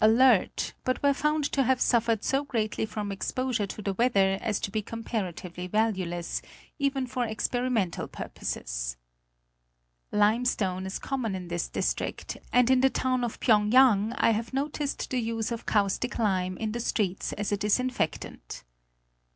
Alert, but were found to have suffered so greatly from exposure to the weather as to be comparatively valueless, even for experimental purposes. Limestone is common in this district, and in. the town of Phyéngyang I have noticed the use of caustic lime in the streets as a disinfectant.